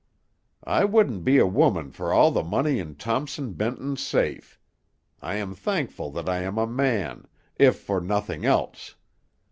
I wouldn't be a woman for all the money in Thompson Benton's safe; I am thankful that I am a man, if for nothing else.